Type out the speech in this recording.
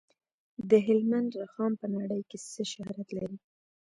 د هلمند رخام په نړۍ کې څه شهرت لري؟